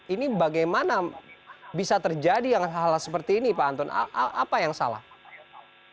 ini bagaimana bisa terjadi hal hal seperti ini pak anton apa yang salah